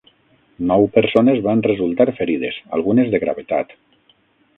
Nou persones van resultar ferides, algunes de gravetat.